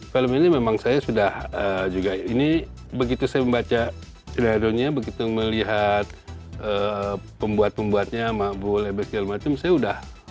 film ini memang saya sudah juga ini begitu saya membaca senaronya begitu melihat pembuat pembuatnya makbul ebekel macam macam saya sudah